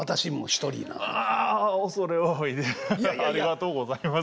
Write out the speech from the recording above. ありがとうございます。